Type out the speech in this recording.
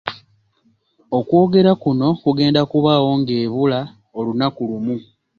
Okwogera kuno kugenda kubaawo ng'ebula olunaku lumu